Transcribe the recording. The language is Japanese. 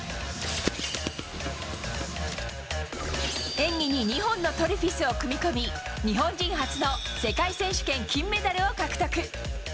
演技に２本のトリフィスを組み込み日本人初の世界選手権金メダルを獲得。